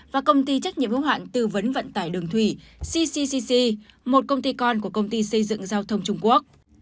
và công ty trách nhiệm hữu hạn tư vấn vận tải đường thủy cccc một công ty con của công ty xây dựng giao thông trung quốc